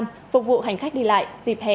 phục vụ hành khách đi lại dịp hè hai nghìn hai mươi